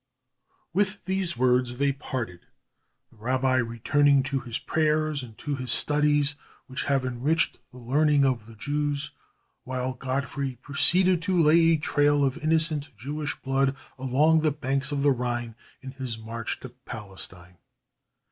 With these words they parted, the rabbi returning to his prayers and to his studies which have enriched the learning of the Jews, while Godfrey proceeded to lay a trail of innocent Jewish blood along the banks of the Rhine in his march to Palestine.